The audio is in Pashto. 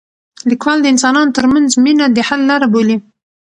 لیکوال د انسانانو ترمنځ مینه د حل لاره بولي.